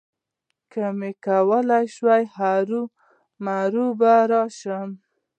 که مې کولای شول، هرومرو به راشم.